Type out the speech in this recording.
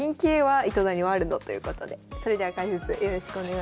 ということでそれでは解説よろしくお願いします。